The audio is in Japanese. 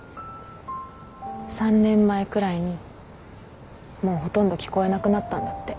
３年前くらいにもうほとんど聞こえなくなったんだって。